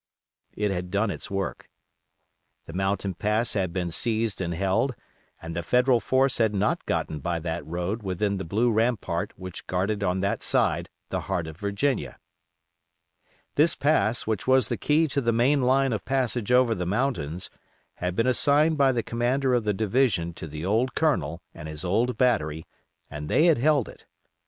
It had done its work. The mountain pass had been seized and held, and the Federal force had not gotten by that road within the blue rampart which guarded on that side the heart of Virginia. This pass, which was the key to the main line of passage over the mountains, had been assigned by the commander of the division to the old Colonel and his old battery, and they had held it.